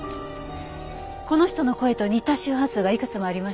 この人の声と似た周波数がいくつもありました。